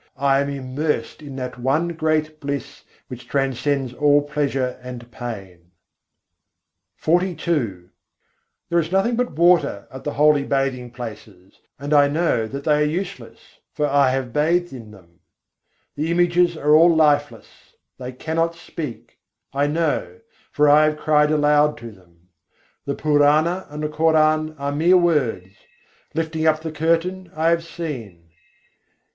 I am immersed in that one great bliss which transcends all pleasure and pain." XLII I. 79. tîrath men to sab pânî hai There is nothing but water at the holy bathing places; and I know that they are useless, for I have bathed in them. The images are all lifeless, they cannot speak; I know, for I have cried aloud to them. The Purana and the Koran are mere words; lifting up the curtain, I have seen.